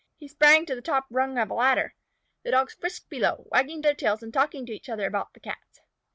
He sprang to the top round of a ladder. The Dogs frisked below, wagging their tails and talking to each other about the Cats.